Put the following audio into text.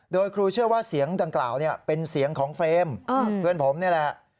โดยครูเชื่อว่าเสียงดังกล่าวเป็นเสียงของเฟรมเพื่อนผมนี่แหละ